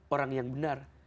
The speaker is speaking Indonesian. orang yang benar